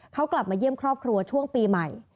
เขากลับมาเยี่ยมครอบครัวช่วงปีใหม่